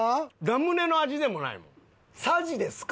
ラムネの味でもないもん。